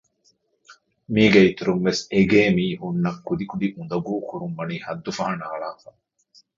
މީގެ އިތުރުންވެސް އެގޭ މީހުންނަށް ކުދިކުދި އުނދަގޫކުރުން ވަނީ ހައްދުފަހަނަ އަޅާފަ